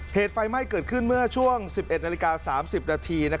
เหตุไฟไหม้เกิดขึ้นเมื่อช่วง๑๑นาฬิกา๓๐นาที